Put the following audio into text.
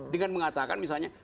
dengan mengatakan misalnya